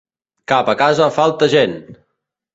Cap a casa falta gent!